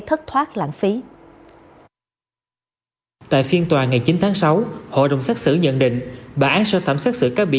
thất thoát lãng phí tại phiên tòa ngày chín tháng sáu hội đồng xét xử nhận định bà án sơ thẩm xét xử các bị